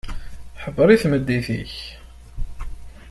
Ḥebber i tmeddit-ik.